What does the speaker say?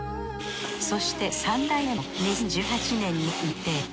そして三代目も２０１８年に認定。